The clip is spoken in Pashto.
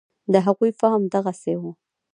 د هغوی فهم دغسې و.